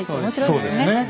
そうですねねっ。